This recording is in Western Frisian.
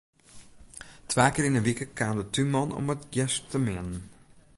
Twa kear yn 'e wike kaam de túnman om it gjers te meanen.